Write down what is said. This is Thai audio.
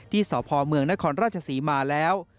ที่สอบพอเมืองนครราชสีมาแล้ว